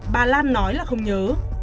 bà lan nói là không nhớ